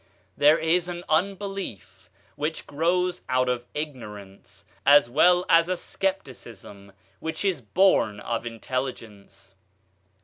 There is an unbelief which grows out of ignorance, as well as a scepticism which is born of intelligence.